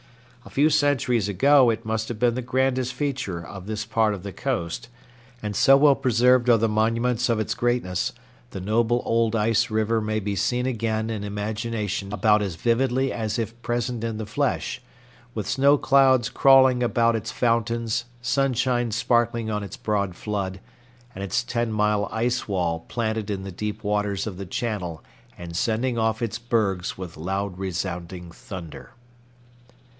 A few centuries ago it must have been the grandest feature of this part of the coast, and, so well preserved are the monuments of its greatness, the noble old ice river may be seen again in imagination about as vividly as if present in the flesh, with snow clouds crawling about its fountains, sunshine sparkling on its broad flood, and its ten mile ice wall planted in the deep waters of the channel and sending off its bergs with loud resounding thunder.